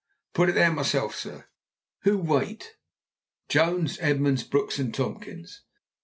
"I put it there myself, sir." "Who wait?" "Jones, Edmunds, Brooks, and Tomkins."